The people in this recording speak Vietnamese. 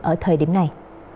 ở thời điểm này